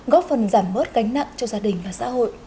góp phần giảm mớt cánh nặng cho gia đình và xã hội